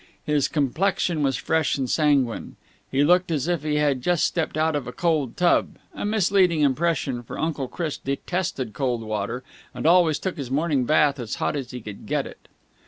His complexion was fresh and sanguine. He looked as if he had just stepped out of a cold tub a misleading impression, for Uncle Chris detested cold water and always took his morning bath as hot as he could get it.